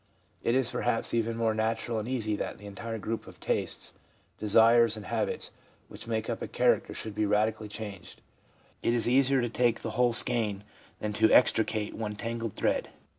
It is perhaps even more natural and easy that the entire group of tastes, desires and habits which make up a character should be radically changed ; it is easier to take the whole skein than to extricate one tangled thread.